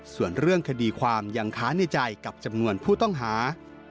ส่วนเรื่องคดีความยังค้าในใจกับจำนวนผู้ต้องหา